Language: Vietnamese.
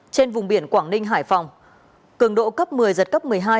trên vùng biển quảng ninh hải phòng cường độ cấp một mươi giật cấp một mươi hai